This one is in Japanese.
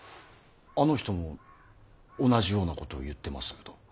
あの人も同じようなことを言ってましたけど。